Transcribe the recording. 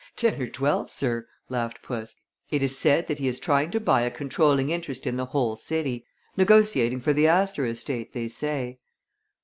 "Ten or twelve, sir," laughed puss. "It is said that he is trying to buy a controlling interest in the whole city. Negotiating for the Astor estate, they say."